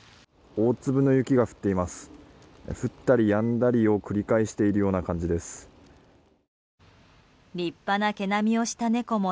大粒の雪が降っています。